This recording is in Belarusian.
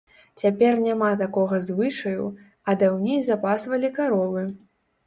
Цяпер няма такога звычаю, а даўней запасвалі каровы.